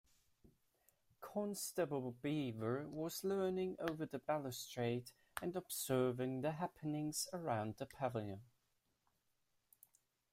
Constable Beaver was leaning over the balustrade and observing the happenings around the pavilion.